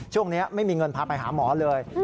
ช่วงนี้ไม่มีเงินพาไปหาหมอเลย